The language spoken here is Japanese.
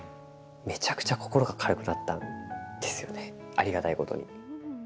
ありがたいことに。